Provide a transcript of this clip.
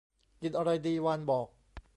กินอะไรดี วานบอก